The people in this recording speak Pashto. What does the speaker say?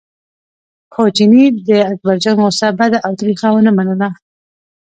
خو چیني د اکبرجان غوسه بده او تریخه ونه منله.